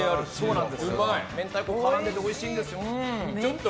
明太子が絡んでておいしいんですよ。